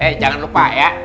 eh jangan lupa ya